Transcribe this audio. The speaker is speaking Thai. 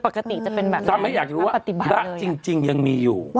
ไม่เลยนะคะเขาอยู่